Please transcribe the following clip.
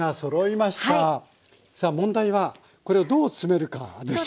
さ問題はこれをどう詰めるかですよね？